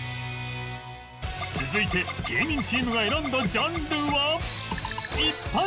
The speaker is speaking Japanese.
続いて芸人チームが選んだジャンルは